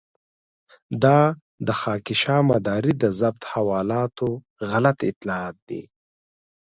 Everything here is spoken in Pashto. دا د خاکيشاه مداري د ضبط حوالاتو غلط اطلاعات دي.